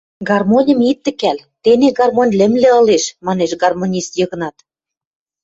— Гармоньым ит тӹкӓл, тене гармонь лӹмлӹ ылеш, — манеш гармонист Йыгнат.